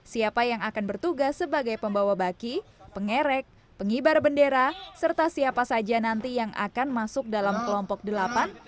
siapa yang akan bertugas sebagai pembawa baki pengerek pengibar bendera serta siapa saja nanti yang akan masuk dalam kelompok delapan